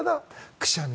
くしゃみ。